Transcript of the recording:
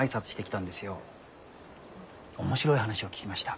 面白い話を聞きました。